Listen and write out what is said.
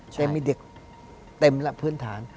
แต่มีเด็กเต็มแล้วพื้นฐาน